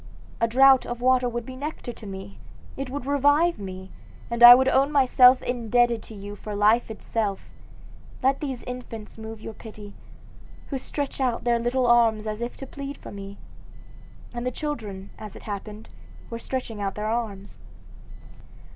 A draught Of water would be nectar to me; it would revive me, and I would own myself indebted to you for life itself. Let these infants move your pity, who stretch out their little arms as if to plead for me;' and the children, as it happened, were stretching out their arms.